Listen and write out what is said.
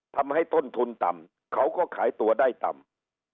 ทำให้ต้นทุนต่ำเขาก็ขายตัวได้ต่ำ